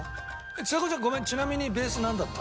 ちさ子ちゃんごめんちなみにベースなんだった？